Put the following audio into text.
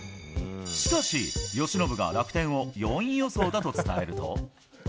しかし、由伸が楽天を４位予想だと伝えると。